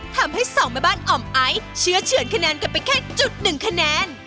ทำให้สองแม่บ้านอ่อมไอซ์เชื่อเฉือนคะแนนกันไปแค่จุดหนึ่งคะแนน